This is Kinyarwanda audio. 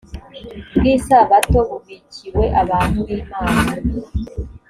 bw isabato bubikiwe abantu b imana